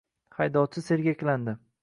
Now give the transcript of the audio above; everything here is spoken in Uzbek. Haydovchi sergaklandi.